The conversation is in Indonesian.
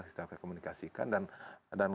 kita komunikasikan dan